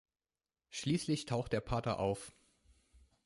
Schließlich taucht der Pater auf.